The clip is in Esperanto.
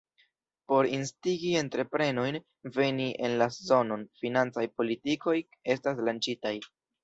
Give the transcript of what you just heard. Por instigi entreprenojn veni en la zonon, financaj politikoj estas lanĉitaj.